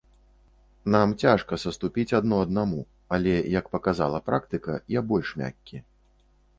Нам цяжка саступіць адно аднаму, але, як паказала практыка, я больш мяккі.